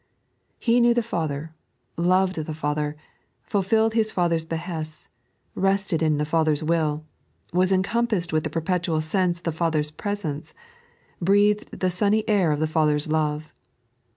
He knew the Father, loved the Father, fulfilled His Father's behests, rested in tbe Father's will, was encompassed with the perpetual sense of the Father's presence, breathed the sunny air of the Father's love.